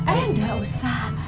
eh gak usah